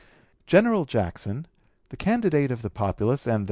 General Jackson, the candidate of the populace and the (p.